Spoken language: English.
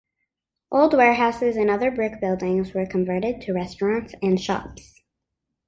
Old warehouses and other brick buildings were converted to restaurants and shops.